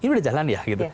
ini udah jalan ya gitu